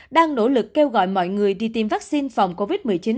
đang nỗ lực kêu gọi mọi người đi tiêm vaccine phòng covid một mươi chín